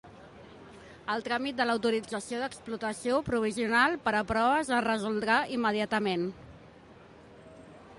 El tràmit de l'autorització d'explotació provisional per a proves es resoldrà immediatament.